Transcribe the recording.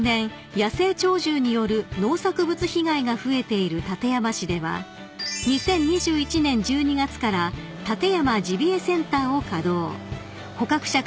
野生鳥獣による農作物被害が増えている館山市では２０２１年１２月から館山ジビエセンターを稼働］